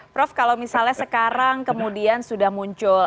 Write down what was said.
prof kalau misalnya sekarang kemudian sudah muncul